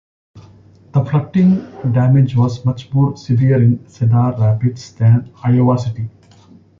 The flooding damage was much more severe in Cedar Rapids than in Iowa City.